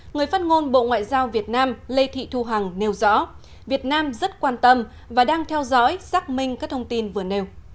người phát ngôn bộ ngoại giao việt nam lê thị thu hằng nêu rõ việt nam rất quan tâm và đang theo dõi xác minh các thông tin vừa nêu